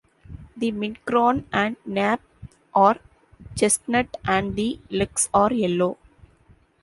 The midcrown and nape are chestnut and the legs are yellow.